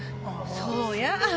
そうや。